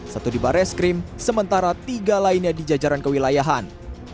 satu di barreskrim sementara tiga lainnya di jajaran kewilayahan